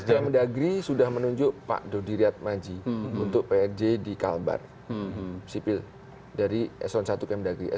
kemendagri sudah menunjuk pak dodi riyad maji untuk prj di kalbar sipil dari eselon satu kemdagri